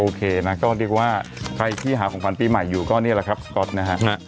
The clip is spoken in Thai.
โอเคนะก็เรียกว่าใครที่หาของขวัญปีใหม่อยู่ก็นี่แหละครับสก๊อตนะฮะ